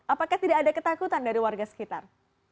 apakah tidak ada ketakutan dari warga sekitar